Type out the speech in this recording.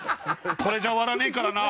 これじゃ終わらねえからな。